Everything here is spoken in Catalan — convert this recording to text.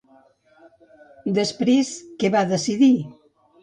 Després, què va decidir?